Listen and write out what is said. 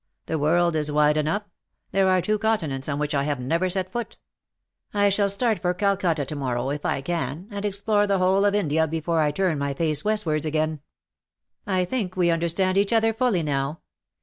The world is wide enough ; there are two continents on which I have never set foot. I shall start for Calcutta to morrow, if I can, and explore the whole of India before I turn my face westwards again. I think we understand each other fully, now.